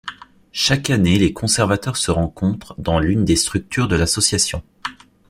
Chaque année les conservateurs se rencontrent dans l'une des structures de l'association.